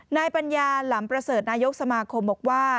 นายปัญญาหลำประเสริฐนายกสมาคมบอกว่า